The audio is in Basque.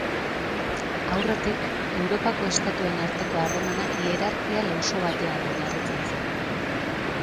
Aurretik, Europako estatuen arteko harremana hierarkia lauso batean oinarritzen zen.